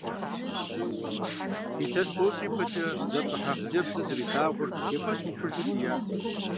Илъэс тӏощӏ ипэкӏэ зэпщӏыхьа хъыджэбзыр зэрилъагъур и фӏэщ мыхъужу дият.